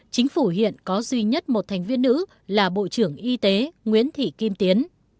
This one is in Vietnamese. chính phủ hiện có duy nhất một thành viên nữ là bộ trưởng y tế nguyễn thị kim tiến